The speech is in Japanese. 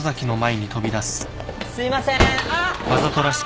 すいませんあっ！